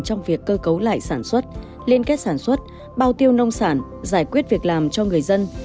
trong việc cơ cấu lại sản xuất liên kết sản xuất bao tiêu nông sản giải quyết việc làm cho người dân